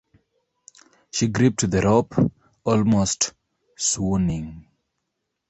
She gripped the rope, almost swooning.